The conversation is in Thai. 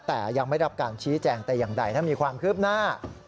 แต่ยังไม่ได้รับการชี้แจงแต่อย่างใดถ้ามีความคืบหน้า